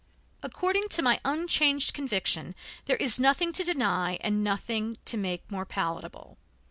According to my unchanged conviction there is nothing to deny and nothing to make more palatable.